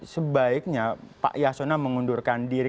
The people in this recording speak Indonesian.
sebaiknya pak yasona mengundurkan diri